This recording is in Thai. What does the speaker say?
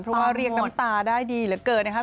เพราะว่าเรียกน้ำตาได้ดีเหลือเกินนะครับ